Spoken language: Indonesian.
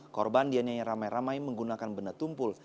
korban dianiaya ramai ramai menggunakan benda tumpul